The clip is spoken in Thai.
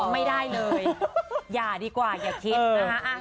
ไม่ได้เลยยาดีกว่าอย่าคิด